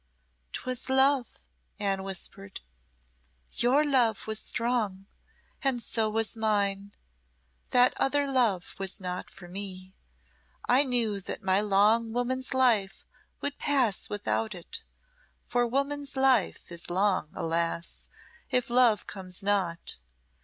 "'Twas love," Anne whispered. "Your love was strong, and so was mine. That other love was not for me. I knew that my long woman's life would pass without it for woman's life is long, alas! if love comes not.